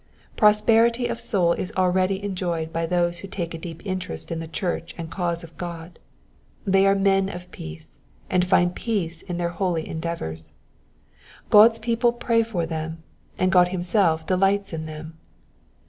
Prosperity of soul is already enjoyed by those who take a deep interest in the church and cause of God : they are men of peace, and find peace in their holy endeavours : God's people pray for them, and God himself delights in them.